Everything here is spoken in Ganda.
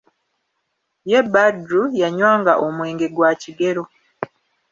Ye Badru, yanywanga omwenge gwa kigero.